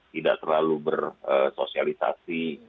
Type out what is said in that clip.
tidak terlalu bersosialisasi